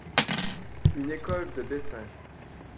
Une école de dessin.